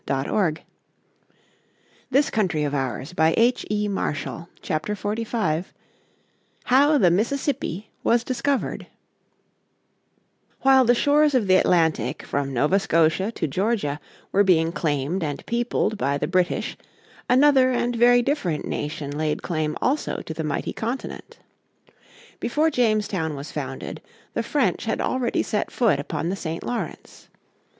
PART V STORIES OF THE FRENCH IN AMERICA __________ Chapter 45 How the Mississippi was Discovered While the shores of the Atlantic from Nova Scotia to Georgia were being claimed and peopled by the British another and very different nation laid claim also to the mighty continent. Before Jamestown was founded the French had already set foot upon the St. Lawrence.